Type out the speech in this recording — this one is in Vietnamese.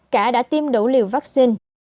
cả đã tiêm đủ liều vaccine